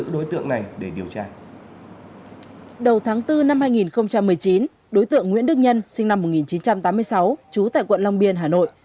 đối tượng nguyễn đức nhân sinh năm một nghìn chín trăm tám mươi sáu trú tại quận long biên hà nội